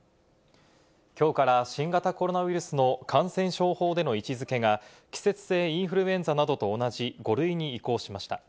今日から新型コロナウイルスの感染症法での位置付けが季節性インフルエンザなどと同じ５類に移行しました。